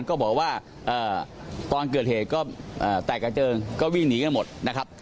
ก็บอกว่าตอนเกิดเหตุก็แตกกระเจิงก็วิ่งหนีกันหมดนะครับ